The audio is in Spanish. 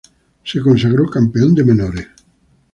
Se consagró Campeón de Menores.